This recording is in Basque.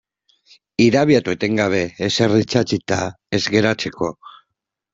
Irabiatu etengabe ezer itsatsita ez geratzeko.